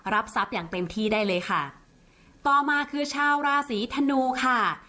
รับทรัพย์อย่างเต็มที่ได้เลยค่ะต่อมาคือชาวราศีธนูค่ะ